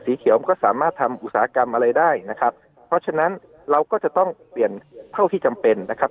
เขียวมันก็สามารถทำอุตสาหกรรมอะไรได้นะครับเพราะฉะนั้นเราก็จะต้องเปลี่ยนเท่าที่จำเป็นนะครับ